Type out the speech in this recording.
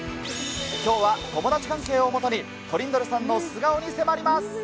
きょうは友達関係をもとに、トリンドルさんの素顔に迫ります。